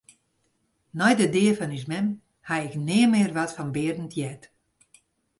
Nei de dea fan ús mem haw ik nea mear wat fan Berend heard.